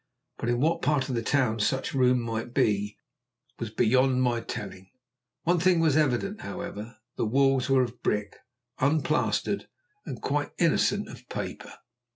But in what part of the town such room might be was beyond my telling. One thing was evident, however, the walls were of brick, unplastered and quite innocent of paper.